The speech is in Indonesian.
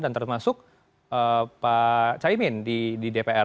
dan termasuk pak caimin di dpr